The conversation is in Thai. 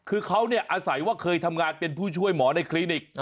คือเขาอาศัยว่าเคยทำงานเป็นผู้ช่วยหมอในคลินิก